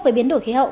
với biến đổi khí hậu